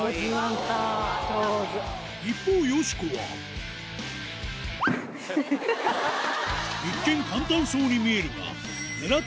一方よしこは一見簡単そうに見えるがあぁ！